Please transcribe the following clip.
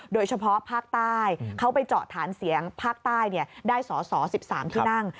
โดยเฉพาะภาคใต้เขาไปเจาะฐานเสียงภาคใต้ได้สอสอ๑๓ที่นั่ง